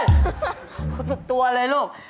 รู้สึกตัวเลยลูก